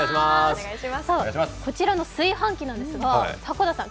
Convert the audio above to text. こちらの炊飯器なんですが、迫田さん